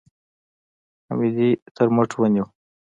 حميديې تر مټ ونيو.